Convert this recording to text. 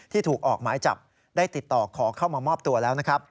ถูกออกหมายจับได้ติดต่อขอเข้ามามอบตัวแล้วนะครับ